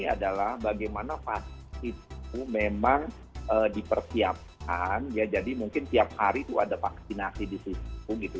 adalah bagaimana vaksin itu memang dipersiapkan ya jadi mungkin tiap hari itu ada vaksinasi di situ gitu